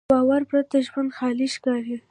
له باور پرته ژوند خالي ښکاري.